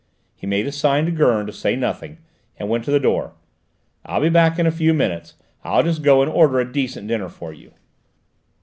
He made a sign to Gurn to say nothing, and went to the door. "I'll be back in a few minutes: I'll just go and order a decent dinner for you."